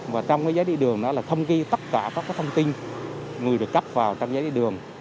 và trong cái giấy đi đường đó là thông ghi tất cả các thông tin người được cấp vào trong giấy đi đường